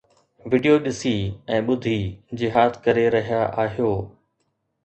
video ڏسي ۽ ٻڌي جهاد ڪري رهيا آهيو